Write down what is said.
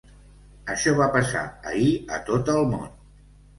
Això va passar ahir a tot el món.